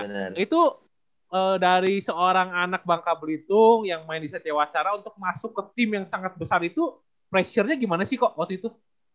nah itu dari seorang anak bangka belitung yang main di setiap wacara untuk masuk ke tim yang sangat besar itu pressure nya gimana sih kok waktu itu